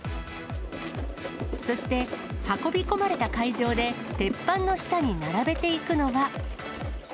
そして、運び込まれた会場で、鉄板の下に並べていくのが。